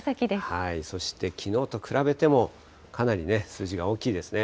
そして、きのうと比べても、かなり数字が大きいですね。